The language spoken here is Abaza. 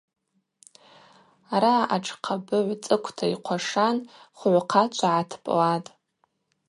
Араъа атшхъабыгӏв цӏыквта йхъвашан, хвыгӏвхъачва гӏатпӏлатӏ.